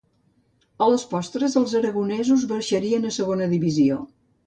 A les postres, els aragonesos baixarien a Segona Divisió.